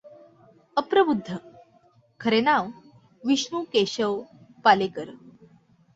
अप्रबुद्ध खरे नाव विष्णू केशव पालेकर